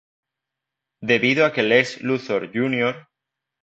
Debido a que Lex Luthor Jr.